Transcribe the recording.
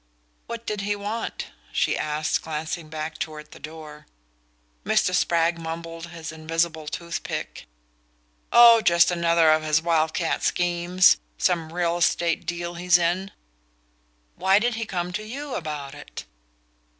"What did he want?" she asked, glancing back toward the door. Mr. Spragg mumbled his invisible toothpick. "Oh, just another of his wild cat schemes some real estate deal he's in." "Why did he come to YOU about it?"